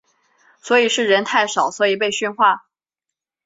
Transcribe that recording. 所以是人太少所以被训话？